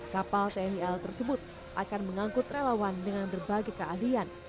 kapal tnil tersebut akan mengangkut relawan dengan berbagai keahlian